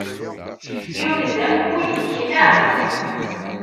Yunez-am wul yekna.